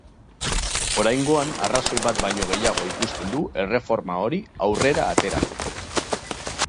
Oraingoan arrazoi bat baino gehiago ikusten du erreforma hori aurrera ateratzeko.